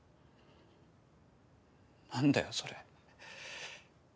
何だよそれ。